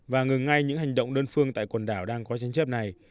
và ngừng ngay những hành động đơn phương tại quần đảo đang có tranh chấp này